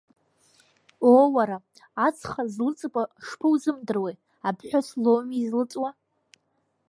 Уоо, уара, ацха злыҵуа шԥоузымдыруеи, аԥҳәыс лоуми излыҵуа!